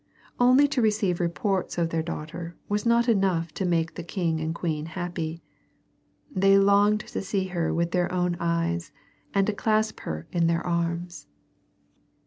Only to receive reports of their daughter was not enough to make the king and queen happy. They longed to see her with their own eyes and to clasp her in their arms.